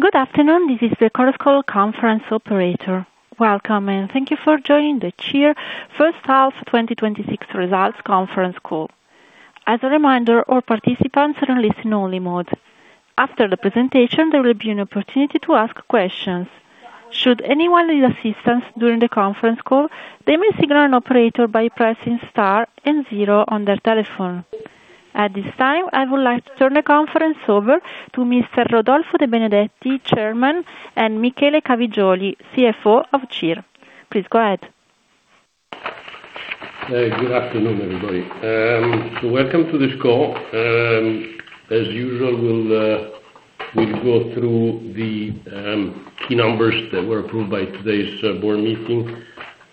Good afternoon. This is the Chorus Call conference operator. Welcome, and thank you for joining the CIR first half 2026 results conference call. As a reminder, all participants are in listen only mode. After the presentation, there will be an opportunity to ask questions. Should anyone need assistance during the conference call, they may signal an operator by pressing star and zero on their telephone. At this time, I would like to turn the conference over to Mr. Rodolfo De Benedetti, Chairman, and Michele Cavigioli, CFO of CIR. Please go ahead. Good afternoon, everybody. Welcome to this call. As usual, we'll go through the key numbers that were approved by today's board meeting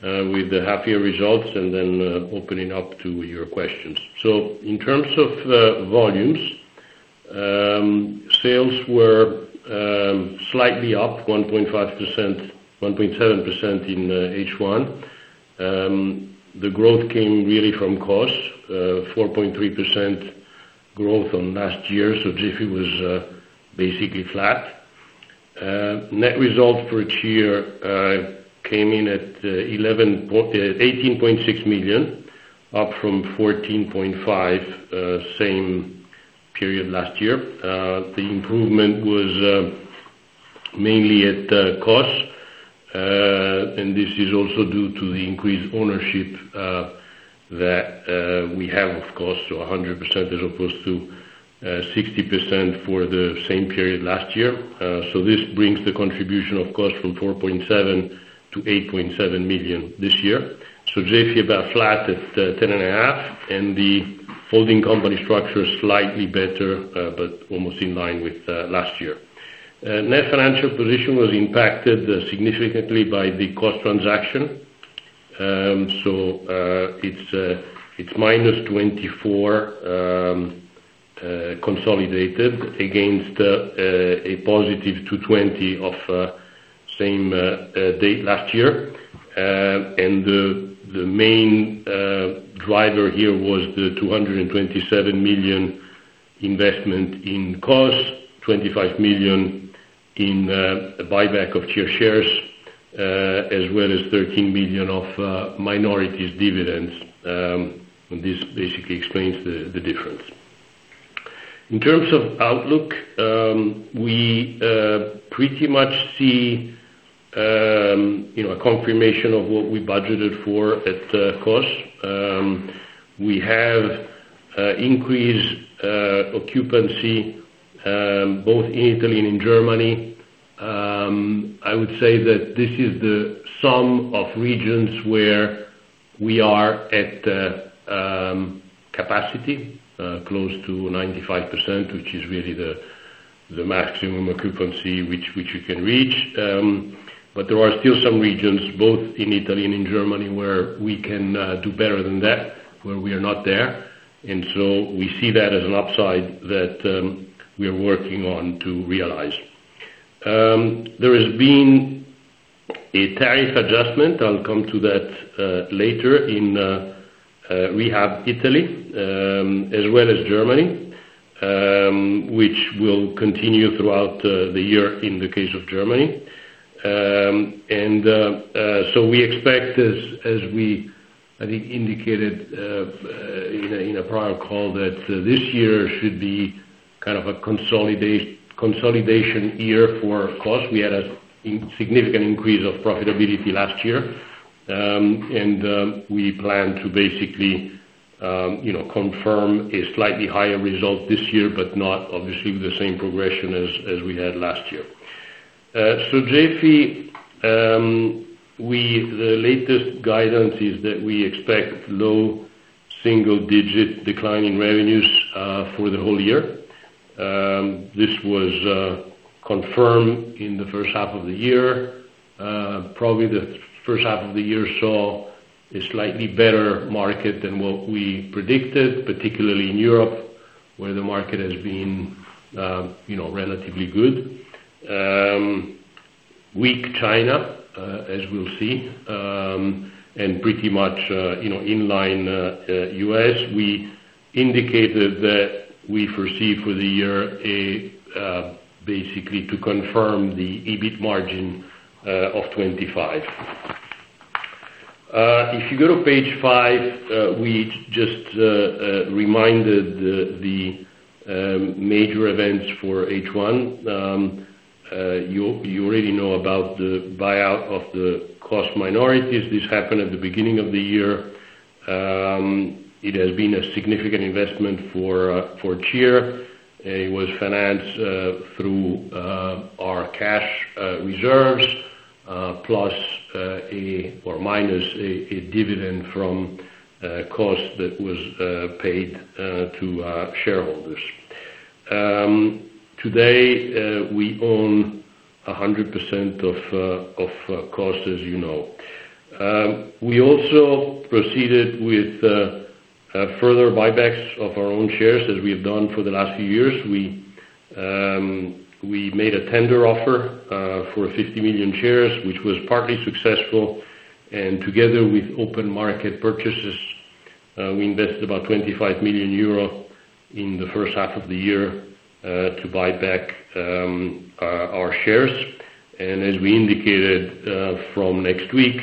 with the half year results and then opening up to your questions. In terms of volumes, sales were slightly up 1.7% in H1. The growth came really from KOS, 4.3% growth on last year, Sogefi was basically flat. Net results for CIR came in at 18.6 million, up from 14.5 million same period last year. The improvement was mainly at KOS. This is also due to the increased ownership that we have, of course, 100% as opposed to 60% for the same period last year. This brings the contribution, of course, from 4.7 million to 8.7 million this year. Sogefi about flat at 10.5 million, the holding company structure is slightly better, almost in line with last year. Net financial position was impacted significantly by the KOS transaction. It's minus 24 consolidated against a positive 220 of same date last year. The main driver here was the 227 million investment in KOS, 25 million in buyback of CIR shares, as well as 13 million of minorities dividends. This basically explains the difference. In terms of outlook, we pretty much see a confirmation of what we budgeted for at KOS. We have increased occupancy both in Italy and in Germany. I would say that this is the sum of regions where we are at capacity, close to 95%, which is really the maximum occupancy which we can reach. But there are still some regions, both in Italy and in Germany, where we can do better than that, where we are not there. We see that as an upside that we are working on to realize. There has been a tariff adjustment, I'll come to that later, in rehab Italy as well as Germany, which will continue throughout the year in the case of Germany. We expect as we indicated in a prior call that this year should be kind of a consolidation year for KOS. We had a significant increase of profitability last year. We plan to basically confirm a slightly higher result this year, not obviously the same progression as we had last year. Sogefi, the latest guidance is that we expect low single digit decline in revenues for the whole year. This was confirmed in the first half of the year. Probably the first half of the year saw a slightly better market than what we predicted, particularly in Europe, where the market has been relatively good. Weak China, as we'll see, and pretty much in line U.S. We indicated that we foresee for the year basically to confirm the EBIT margin of 25%. If you go to page five, we just reminded the major events for H1. You already know about the buyout of the KOS minorities. This happened at the beginning of the year. It has been a significant investment for CIR. It was financed through our cash reserves, plus or minus a dividend from KOS that was paid to our shareholders. Today, we own 100% of KOS, as you know. We also proceeded with further buybacks of our own shares as we have done for the last few years. We made a tender offer for 50 million shares, which was partly successful. Together with open market purchases, we invested about 25 million euro in the first half of the year to buy back our shares. As we indicated from next week,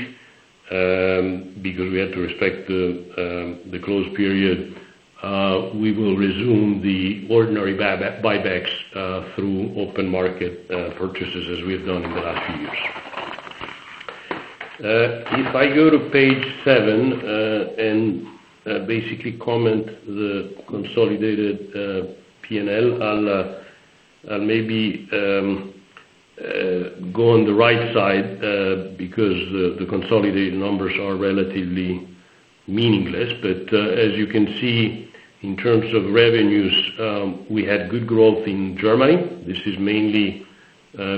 because we had to respect the close period, we will resume the ordinary buybacks through open market purchases as we have done in the last few years. If I go to page seven and basically comment the consolidated P&L, I'll maybe go on the right side because the consolidated numbers are relatively meaningless. As you can see, in terms of revenues, we had good growth in Germany. This is mainly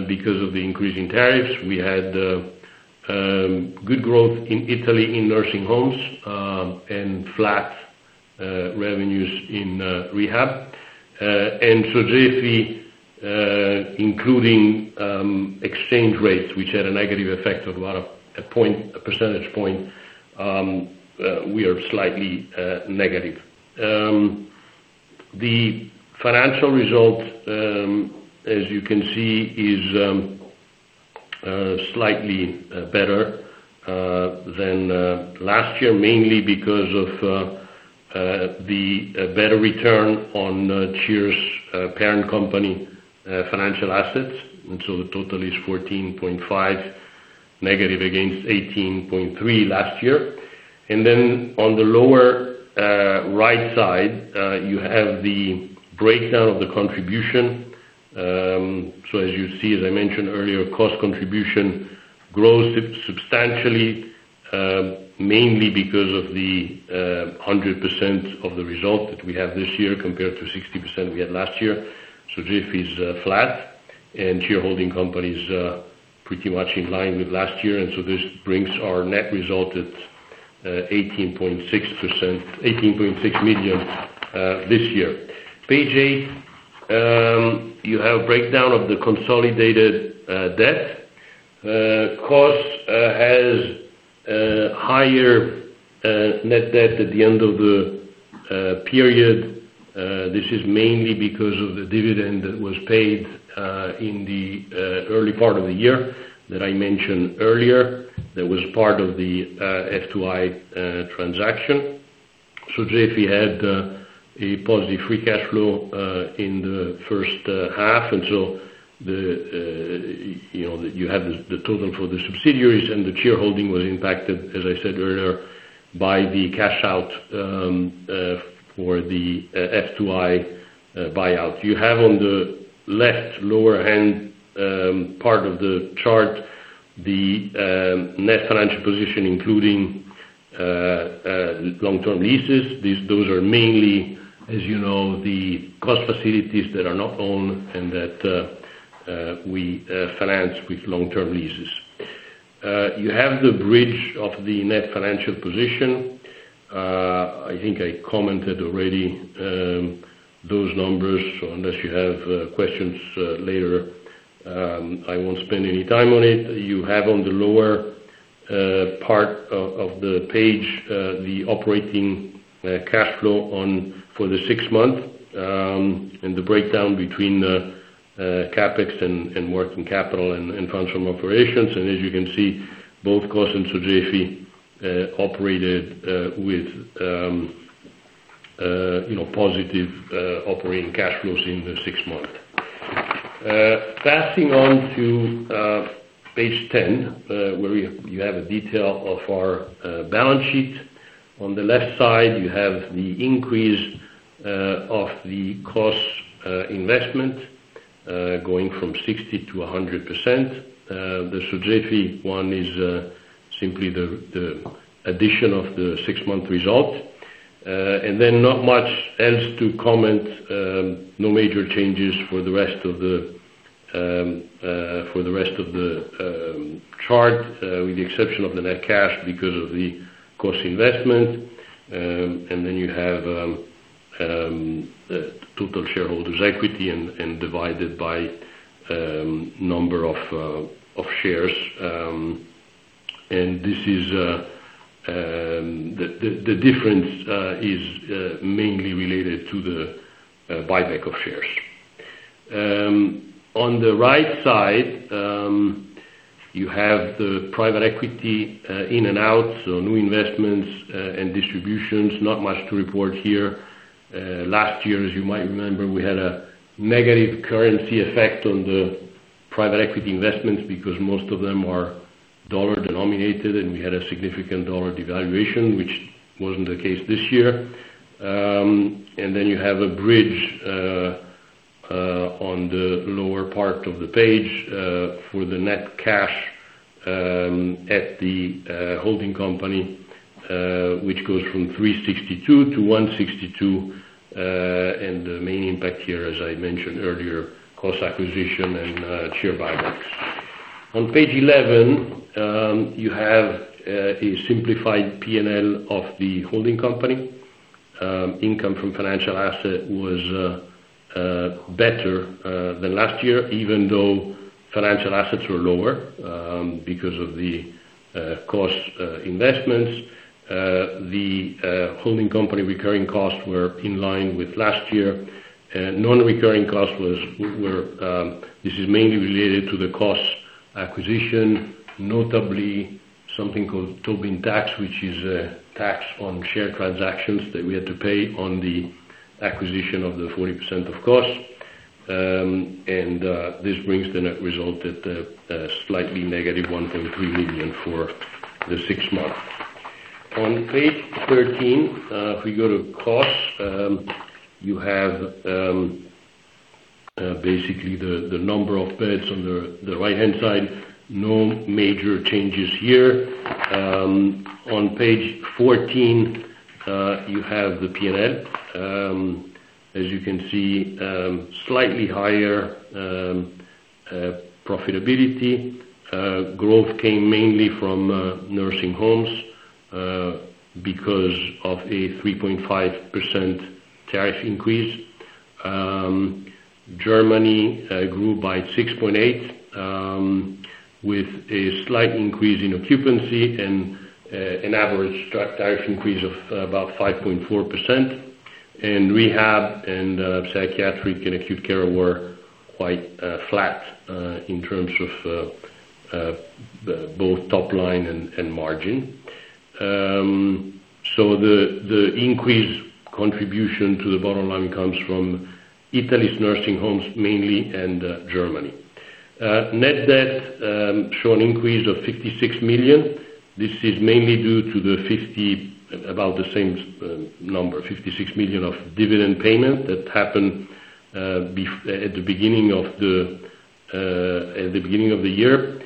because of the increase in tariffs. We had good growth in Italy in nursing homes, and flat revenues in rehab. Sogefi, including exchange rates, which had a negative effect of a percentage point, we are slightly negative. The financial result, as you can see, is slightly better than last year, mainly because of the better return on CIR's parent company financial assets. The total is 14.5 million negative against 18.3 million last year. On the lower right side, you have the breakdown of the contribution. As you see, as I mentioned earlier, KOS contribution grows substantially, mainly because of the 100% of the result that we have this year, compared to 60% we had last year. Sogefi is flat and CIR Holding company is pretty much in line with last year. This brings our net result at 18.6 million this year. Page eight, you have a breakdown of the consolidated debt. KOS has a higher net debt at the end of the period. This is mainly because of the dividend that was paid in the early part of the year that I mentioned earlier, that was part of the F2I transaction. Sogefi had a positive free cash flow in the first half. You have the total for the subsidiaries, and the CIR Holding was impacted, as I said earlier, by the cash out for the F2I buyout. You have on the left lower hand part of the chart, the net financial position, including long-term leases. Those are mainly, as you know, the KOS facilities that are not owned and that we finance with long-term leases. You have the bridge of the net financial position. I think I commented already those numbers, so unless you have questions later, I won't spend any time on it. You have on the lower part of the page, the operating cash flow for the six months, the breakdown between the CapEx and working capital and functional operations. As you can see, both KOS and Sogefi operated with positive operating cash flows in the six months. Passing on to page 10, where you have a detail of our balance sheet. On the left side, you have the increase of the KOS investment going from 60% to 100%. The Sogefi one is simply the addition of the six-month result. Not much else to comment. No major changes for the rest of the chart, with the exception of the net cash because of the KOS investment. You have total shareholders' equity and divided by number of shares. The difference is mainly related to the buyback of shares. On the right side, you have the private equity in and out. New investments and distributions. Not much to report here. Last year, as you might remember, we had a negative currency effect on the private equity investments because most of them are dollar denominated, and we had a significant dollar devaluation, which wasn't the case this year. You have a bridge on the lower part of the page for the net cash at the holding company, which goes from 362 to 162. The main impact here, as I mentioned earlier, KOS acquisition and share buybacks. On page 11, you have a simplified P&L of the holding company. Income from financial asset was better than last year, even though financial assets were lower because of the KOS investments. The holding company recurring costs were in line with last year. Non-recurring costs, this is mainly related to the KOS acquisition, notably something called Tobin tax, which is a tax on share transactions that we had to pay on the acquisition of the 40% of KOS. This brings the net result at slightly negative 1.3 million for the six months. On page 13, if we go to costs, you have basically the number of beds on the right-hand side. No major changes here. On page 14, you have the P&L. As you can see, slightly higher profitability. Growth came mainly from nursing homes because of a 3.5% tariff increase. Germany grew by 6.8% with a slight increase in occupancy and an average tariff increase of about 5.4%. Rehab and psychiatric and acute care were quite flat in terms of both top line and margin. The increased contribution to the bottom line comes from Italy's nursing homes mainly, and Germany. Net debt show an increase of 56 million. This is mainly due to about the same number, 56 million of dividend payment that happened at the beginning of the year.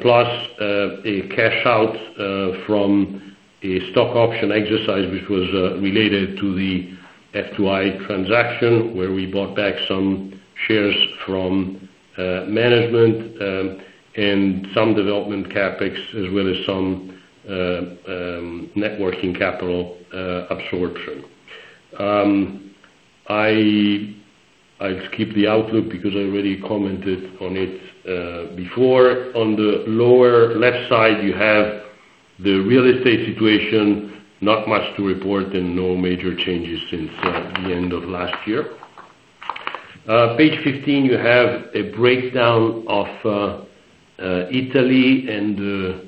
Plus a cash out from a stock option exercise, which was related to the F2I transaction where we bought back some shares from management, and some development CapEx, as well as some networking capital absorption. I'll skip the outlook because I already commented on it before. On the lower left side, you have the real estate situation, not much to report and no major changes since the end of last year. Page 15, you have a breakdown of Italy and the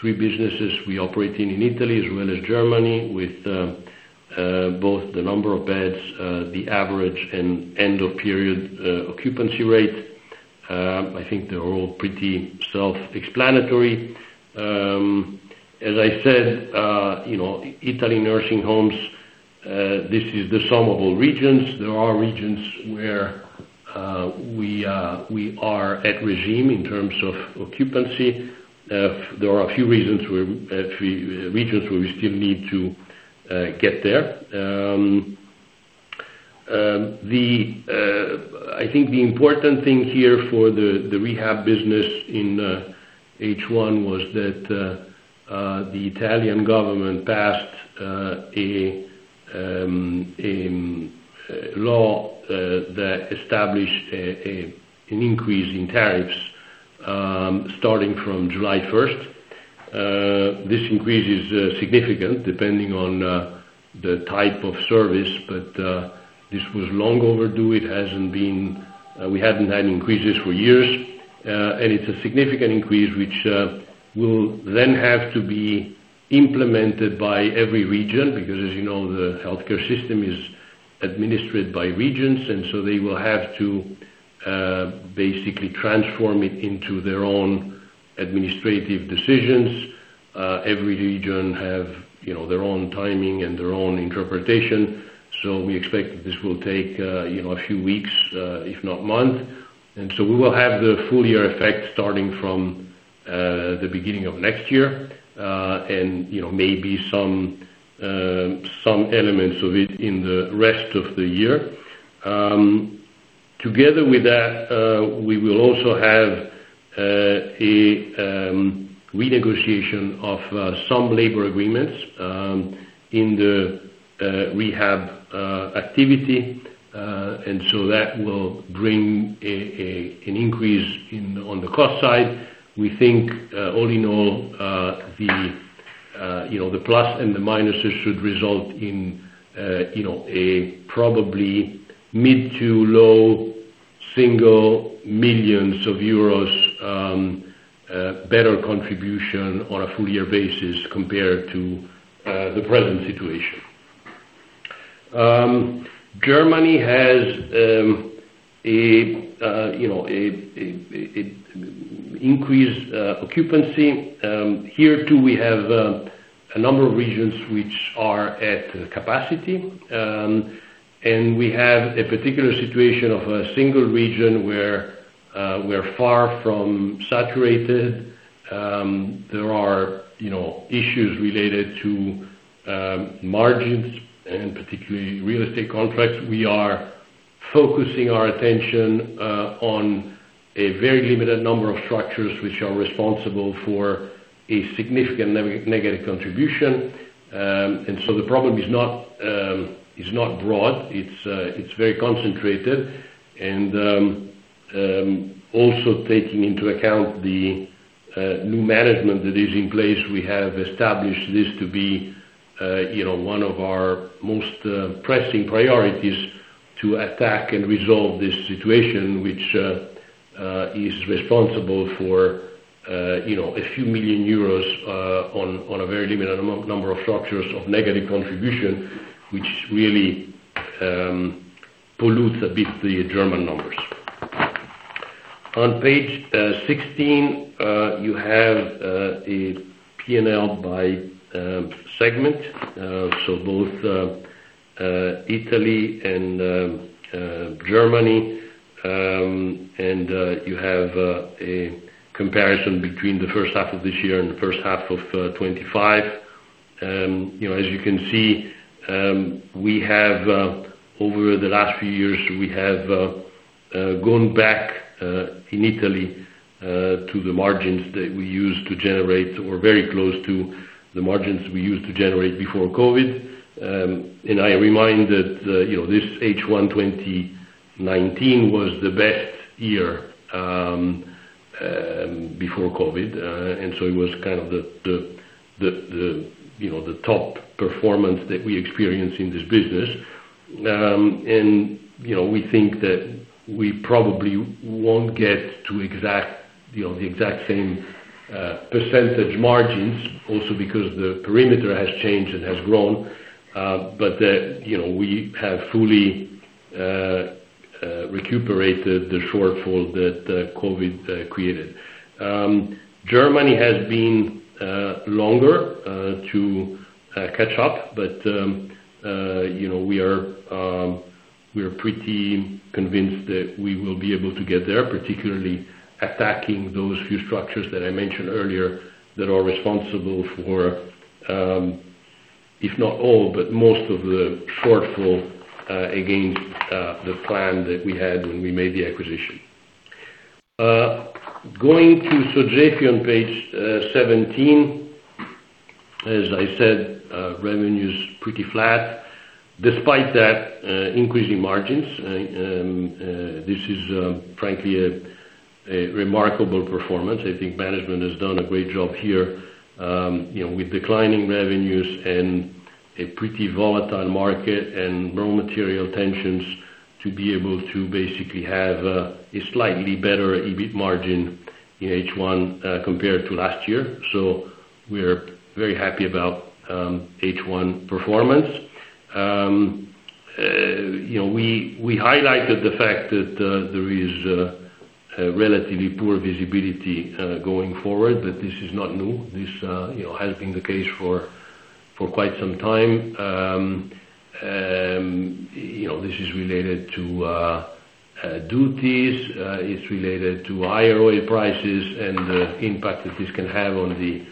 three businesses we operate in Italy as well as Germany with both the number of beds, the average, and end of period occupancy rate. I think they're all pretty self-explanatory. As I said, Italy nursing homes, this is the sum of all regions. There are regions where we are at regime in terms of occupancy. There are a few regions where we still need to get there. I think the important thing here for the rehab business in H1 was that the Italian government passed a law that established an increase in tariffs starting from July 1st. This increase is significant depending on the type of service, but this was long overdue. We haven't had increases for years. It's a significant increase, which will then have to be implemented by every region because as you know, the healthcare system is administered by regions, so they will have to basically transform it into their own administrative decisions. Every region have their own timing and their own interpretation. We expect that this will take a few weeks, if not months. We will have the full year effect starting from the beginning of next year. Maybe some elements of it in the rest of the year. Together with that, we will also have a renegotiation of some labor agreements in the rehab activity. That will bring an increase on the KOS side. We think all in all the plus and the minuses should result in a probably mid to low single millions of euros better contribution on a full year basis compared to the present situation. Germany has increased occupancy. Here too, we have a number of regions which are at capacity. We have a particular situation of a single region where we're far from saturated. There are issues related to margins and particularly real estate contracts. We are focusing our attention on a very limited number of structures which are responsible for a significant negative contribution. The problem is not broad, it's very concentrated. Also taking into account the new management that is in place, we have established this to be one of our most pressing priorities to attack and resolve this situation, which is responsible for a few million euros on a very limited number of structures of negative contribution, which really pollutes a bit the German numbers. On page 16, you have a P&L by segment, so both Italy and Germany, you have a comparison between the first half of this year and the first half of 2025. As you can see, over the last few years, we have gone back in Italy to the margins that we used to generate, or very close to the margins we used to generate before COVID. I remind that this H1 2019 was the best year before COVID, it was kind of the top performance that we experienced in this business. We think that we probably won't get to the exact same percentage margins, also because the perimeter has changed and has grown, but that we have fully recuperated the shortfall that COVID created. Germany has been longer to catch up, but we are pretty convinced that we will be able to get there, particularly attacking those few structures that I mentioned earlier that are responsible for, if not all, but most of the shortfall against the plan that we had when we made the acquisition. Going to Sogefi on page 17. As I said, revenue's pretty flat. Despite that, increasing margins. This is frankly a remarkable performance. I think management has done a great job here. With declining revenues and a pretty volatile market and raw material tensions, to be able to basically have a slightly better EBIT margin in H1 compared to last year. We're very happy about H1 performance. We highlighted the fact that there is a relatively poor visibility going forward, this is not new. This has been the case for quite some time. This is related to duties, it's related to higher oil prices and the impact that this can have on the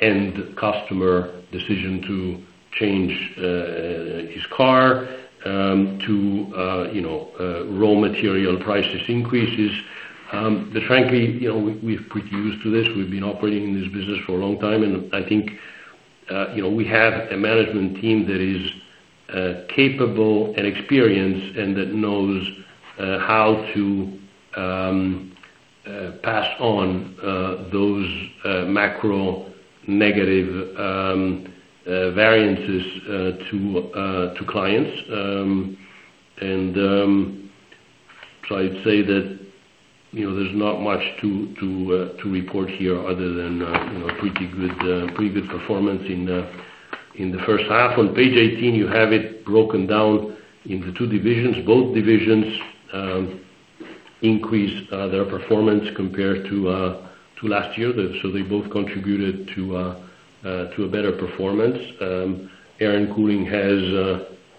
end customer decision to change his car to raw material prices increases. Frankly, we're pretty used to this. We've been operating in this business for a long time, I think we have a management team that is capable and experienced, that knows how to pass on those macro negative variances to clients. I'd say that there's not much to report here other than pretty good performance in the first half. On page 18, you have it broken down into two divisions. Both divisions increased their performance compared to last year. They both contributed to a better performance. Air & Cooling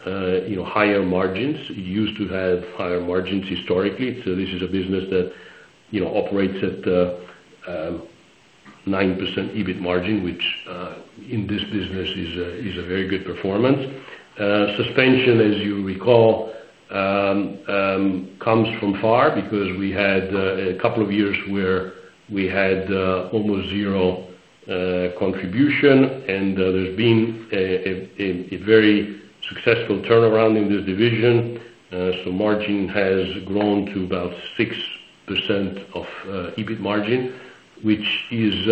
has higher margins. It used to have higher margins historically. This is a business that operates at 9% EBIT margin, which in this business is a very good performance. Suspensions, as you recall, comes from far because we had a couple of years where we had almost zero contribution, there's been a very successful turnaround in this division. Margin has grown to about 6% of EBIT margin, which is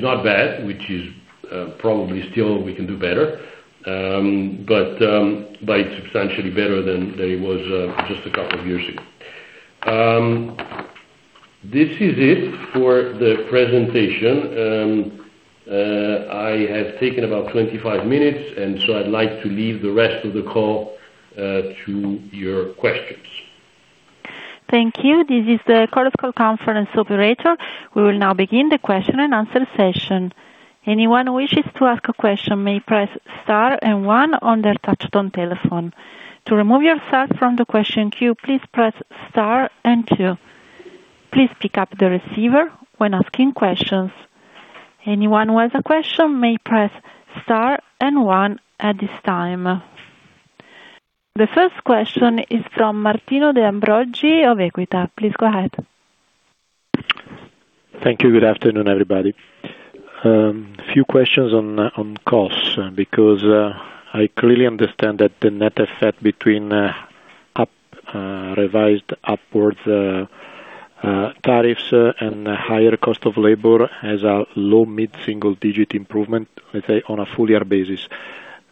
not bad, which is probably still we can do better. It's substantially better than it was just a couple of years ago. This is it for the presentation. I have taken about 25 minutes, I'd like to leave the rest of the call to your questions. Thank you. This is the Chorus Call conference operator. We will now begin the question-and-answer session. Anyone who wishes to ask a question may press star and one on their touch-tone telephone. To remove yourself from the question queue, please press star and two. Please pick up the receiver when asking questions. Anyone who has a question may press star and one at this time. The first question is from Martino De Ambroggi of Equita. Please go ahead. Thank you. Good afternoon, everybody. Few questions on costs, because I clearly understand that the net effect between revised upwards tariffs and higher cost of labor has a low- to mid-single digit improvement, let's say, on a full-year basis.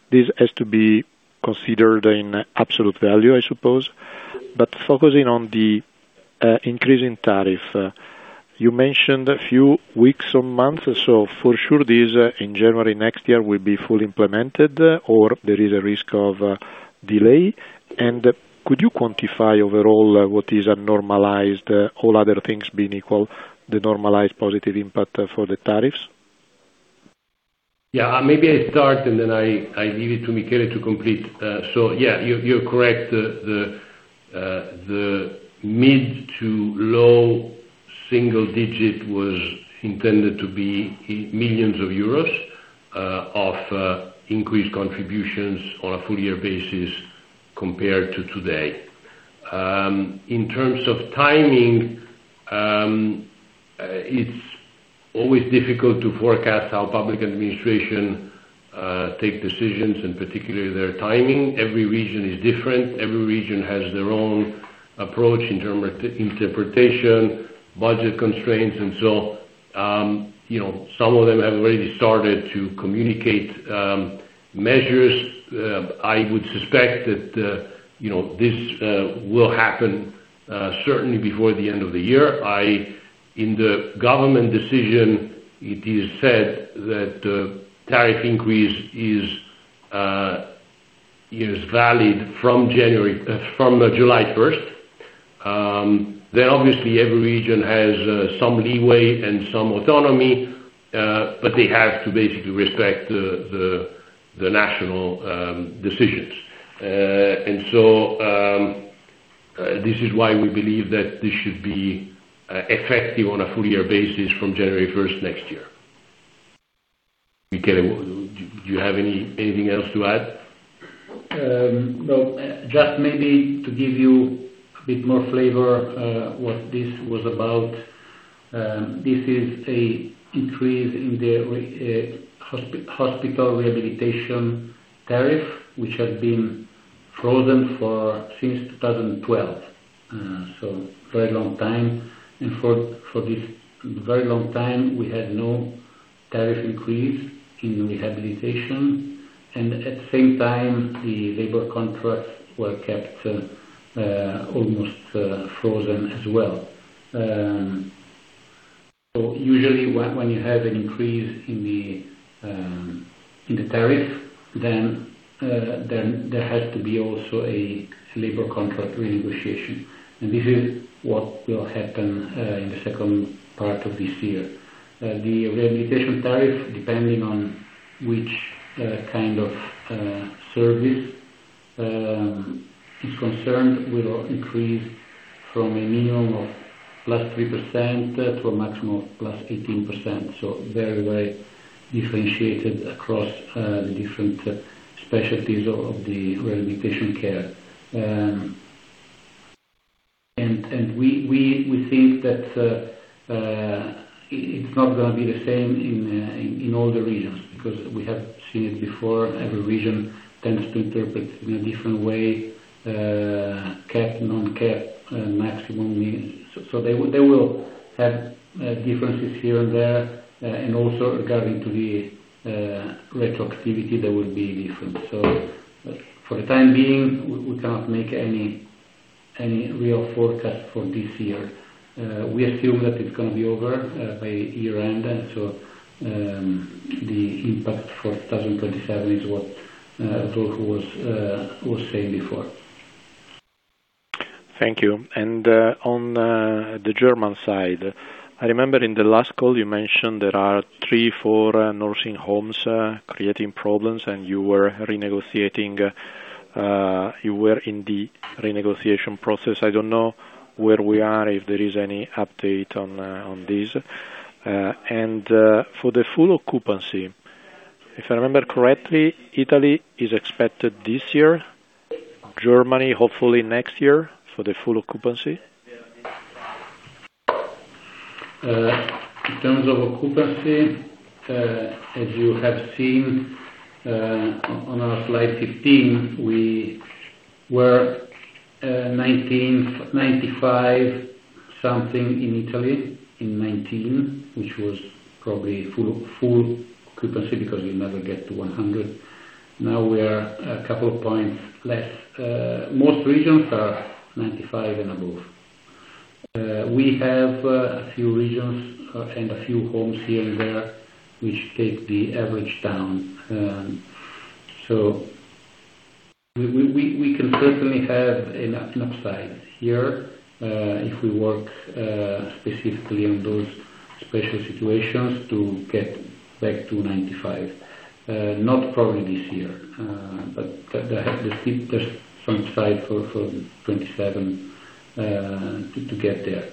This has to be considered in absolute value, I suppose. Focusing on the increasing tariff, you mentioned a few weeks or months. For sure, this in January next year will be fully implemented, or there is a risk of delay? Could you quantify overall what is a normalized, all other things being equal, the normalized positive impact for the tariffs? Yeah. Maybe I start, and then I give it to Michele to complete. Yeah, you're correct. The mid- to low-single digit was intended to be millions of EUR of increased contributions on a full-year basis compared to today. In terms of timing, it's always difficult to forecast how public administration take decisions and particularly their timing. Every region is different. Every region has their own approach in term of interpretation, budget constraints. Some of them have already started to communicate measures. I would suspect that this will happen certainly before the end of the year. In the government decision, it is said that tariff increase is valid from July 1st. Obviously, every region has some leeway and some autonomy, but they have to basically respect the national decisions. This is why we believe that this should be effective on a full-year basis from January 1st next year. Michele, do you have anything else to add? No. Just maybe to give you a bit more flavor, what this was about. This is an increase in the hospital rehabilitation tariff, which had been frozen since 2012. Very long time. For this very long time, we had no tariff increase in rehabilitation, and at the same time, the labor contracts were kept almost frozen as well. Usually, when you have an increase in the tariff, then there has to be also a labor contract renegotiation. This is what will happen in the second part of this year. The rehabilitation tariff, depending on which kind of service is concerned, will increase from a minimum of +3% to a maximum of +18%. Very differentiated across the different specialties of the rehabilitation care. We think that it's not going to be the same in all the regions, because we have seen it before. Every region tends to interpret in a different way, capped, non-capped, maximum, minimum. They will have differences here and there. Also regarding to the retroactivity, they will be different. For the time being, we cannot make any real forecast for this year. We assume that it's going to be over by year end, the impact for 2027 is what Rodolfo was saying before. Thank you. On the German side, I remember in the last call you mentioned there are three, four nursing homes creating problems, and you were in the renegotiation process. I don't know where we are, if there is any update on this. For the full occupancy, if I remember correctly, Italy is expected this year, Germany hopefully next year for the full occupancy. In terms of occupancy, as you have seen on our slide 15, we were 95% something in Italy in 2019, which was probably full occupancy, because you never get to 100%. Now we are a couple of points less. Most regions are 95% and above. We have a few regions and a few homes here and there which take the average down. We can certainly have an upside here, if we work specifically on those special situations to get back to 95%. Not probably this year, but there's some sight for 2027 to get there.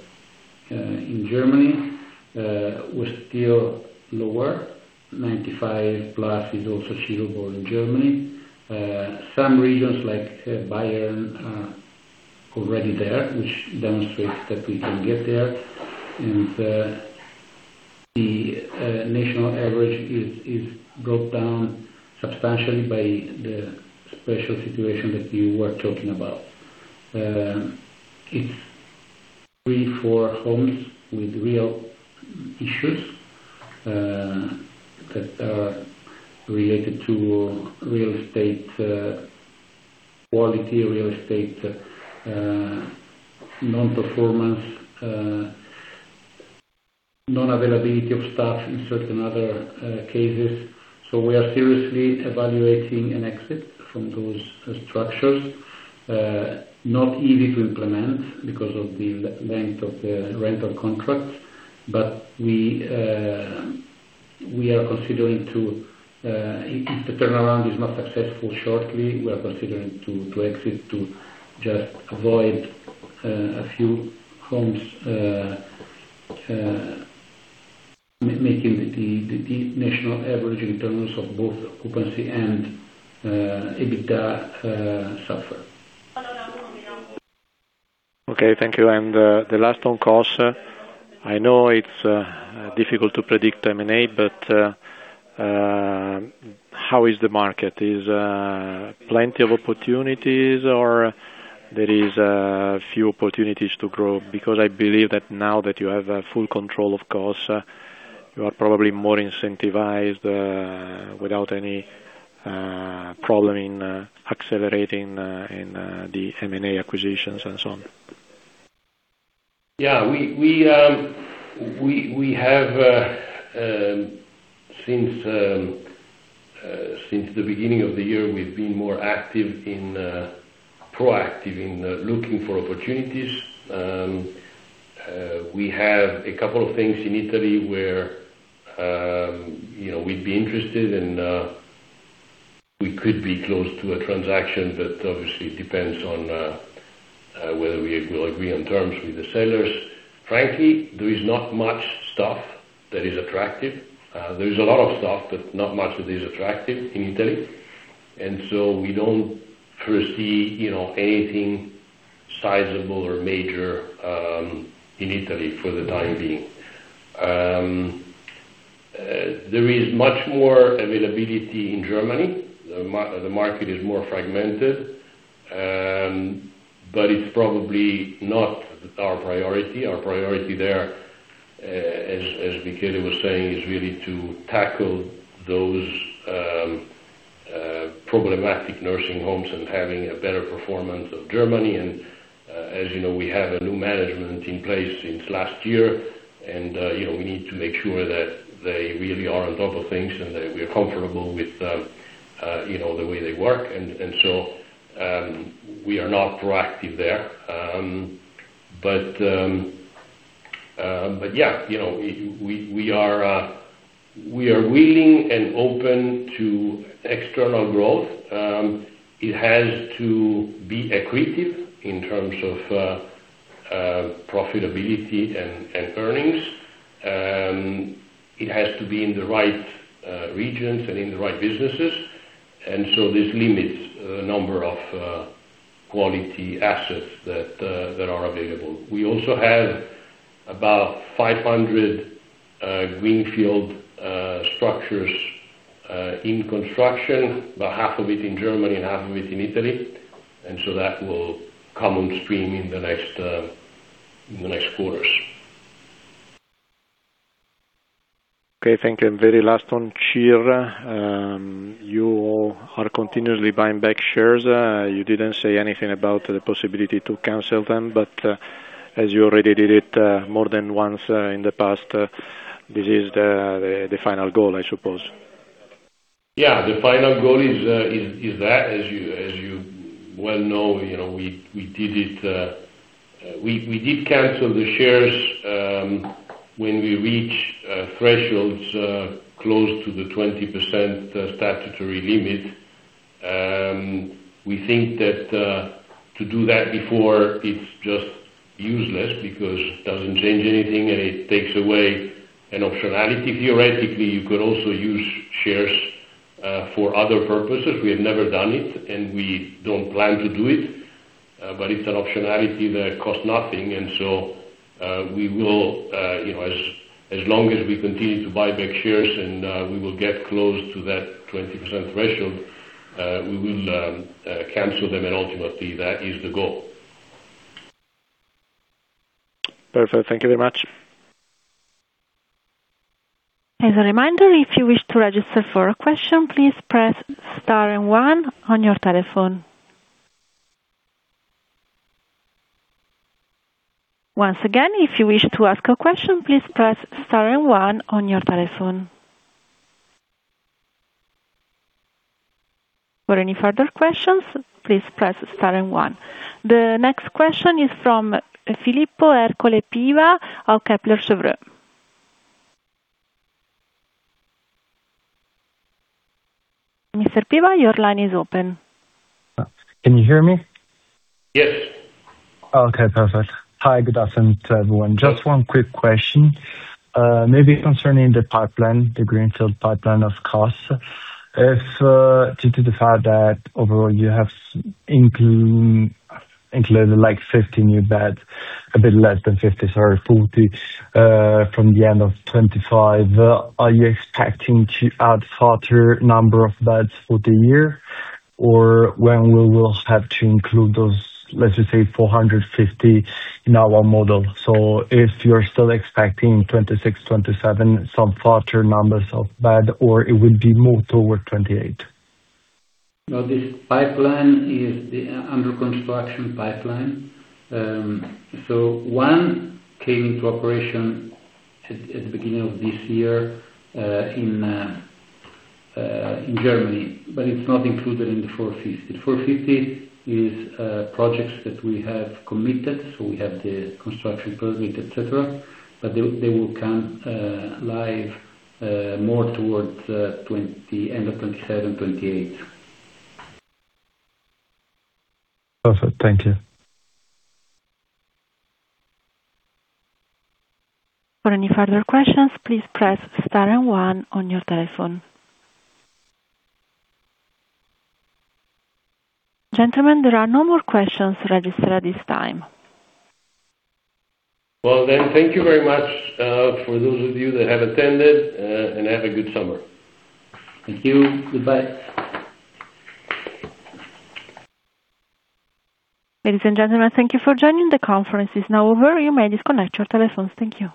In Germany, we're still lower. 95%+ is also achievable in Germany. Some regions like Bayern are already there, which demonstrates that we can get there, and the national average is brought down substantially by the special situation that you were talking about. It's three, four homes with real issues that are related to real estate quality, real estate non-performance, non-availability of staff in certain other cases. We are seriously evaluating an exit from those structures. Not easy to implement because of the length of the rental contracts, but if the turnaround is not successful shortly, we are considering to exit to just avoid a few homes making the national average in terms of both occupancy and EBITDA suffer. Okay, thank you. The last on costs. I know it's difficult to predict M&A, how is the market? Is there plenty of opportunities or there is a few opportunities to grow? I believe that now that you have full control of costs, you are probably more incentivized, without any problem in accelerating in the M&A acquisitions and so on. Yeah. Since the beginning of the year, we've been more proactive in looking for opportunities. We have a couple of things in Italy where we'd be interested, we could be close to a transaction, but obviously it depends on whether we will agree on terms with the sellers. Frankly, there is not much stuff that is attractive. There is a lot of stuff, but not much that is attractive in Italy. We don't foresee anything sizable or major in Italy for the time being. There is much more availability in Germany. The market is more fragmented. It's probably not our priority. Our priority there, as Michele was saying, is really to tackle those problematic nursing homes and having a better performance of Germany. As you know, we have a new management in place since last year, we need to make sure that they really are on top of things, that we are comfortable with the way they work. We are not proactive there. Yeah, we are willing and open to external growth. It has to be accretive in terms of profitability and earnings. It has to be in the right regions and in the right businesses, so this limits the number of quality assets that are available. We also have about 500 greenfield structures in construction, about half of it in Germany and half of it in Italy, that will come on stream in the next quarters. Okay, thank you. Very last on CIR. You are continuously buying back shares. You didn't say anything about the possibility to cancel them, but, as you already did it more than once in the past, this is the final goal, I suppose. Yeah. The final goal is that. As you well know, we did cancel the shares when we reach thresholds close to the 20% statutory limit. We think that to do that before, it's just useless because it doesn't change anything, and it takes away an optionality. Theoretically, you could also use shares for other purposes. We have never done it, and we don't plan to do it. It's an optionality that costs nothing, and so, as long as we continue to buy back shares and we will get close to that 20% threshold, we will cancel them, and ultimately, that is the goal. Perfect. Thank you very much. As a reminder, if you wish to register for a question, please press star and one on your telephone. Once again, if you wish to ask a question, please press star and one on your telephone. For any further questions, please press star and one. The next question is from Filippo Ercole Piva of Kepler Cheuvreux. Mr. Piva, your line is open. Can you hear me? Yes. Okay, perfect. Hi, good afternoon to everyone. Just one quick question. Maybe concerning the pipeline, the greenfield pipeline of KOS. If, due to the fact that overall you have included 50 new beds, a bit less than 50, sorry, 40 from the end of 2025, are you expecting to add further number of beds for the year? Or when we will have to include those, let's just say 450, in our model. If you're still expecting 2026, 2027, some further numbers of bed, or it will be moved toward 2028? No, this pipeline is the under construction pipeline. One came into operation at the beginning of this year in Germany, but it's not included in the 450. 450 is projects that we have committed. We have the construction permit, et cetera. They will come live more towards end of 2027, 2028. Perfect. Thank you. For any further questions, please press star and one on your telephone. Gentlemen, there are no more questions registered at this time. Thank you very much for those of you that have attended, and have a good summer. Thank you. Goodbye. Ladies and gentlemen, thank you for joining. The conference is now over. You may disconnect your telephones. Thank you.